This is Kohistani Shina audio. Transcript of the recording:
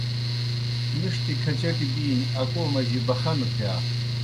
مِݜٹیْ کھچٹیْ بِینیْ اکو مجی بخنہ تِھیا۔